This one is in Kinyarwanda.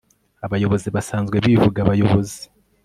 Abayobozi basanzwe bivuga abayobozi